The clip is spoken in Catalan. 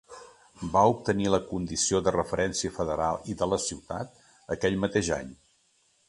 Va obtenir la condició de referència federal i de la ciutat aquell mateix any.